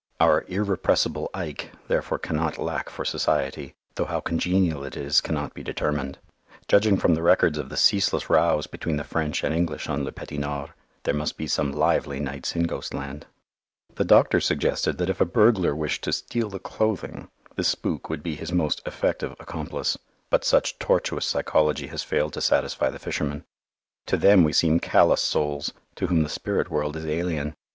Our "irrepressible Ike" therefore cannot lack for society, though how congenial it is cannot be determined. Judging from the records of the ceaseless rows between the French and English on Le Petit Nord, there must be some lively nights in ghostland. The doctor suggested that if a burglar wished to steal the clothing, this spook would be his most effective accomplice, but such tortuous psychology has failed to satisfy the fishermen. To them we seem callous souls, to whom the spirit world is alien.